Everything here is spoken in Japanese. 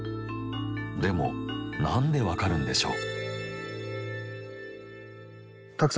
でも何で分かるんでしょう？